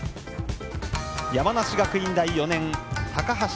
山梨学院大４年、高橋瑠璃。